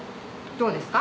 どうですか？